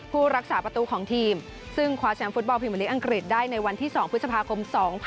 ผู้รักษาประตูของทีมซึ่งคว้าแชมป์ฟุตบอลพิมพลิกอังกฤษได้ในวันที่๒พฤษภาคม๒๕๖๒